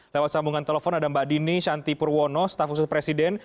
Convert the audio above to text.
lewat sambungan telepon ada mbak dini shantipurwono stafusus presiden